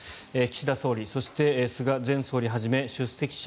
岸田総理、そして菅前総理はじめ出席者